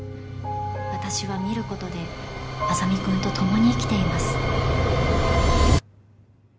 私は見ることで莇君と共に生きています。